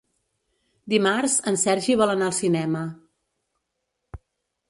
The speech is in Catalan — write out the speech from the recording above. Dimarts en Sergi vol anar al cinema.